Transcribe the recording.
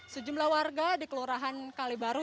sejumlah warga di kelurahan kalibaru